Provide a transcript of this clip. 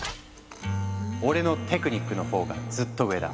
「俺のテクニックの方がずっと上だ。